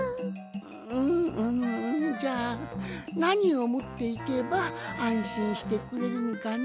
んんじゃあなにをもっていけばあんしんしてくれるんかの？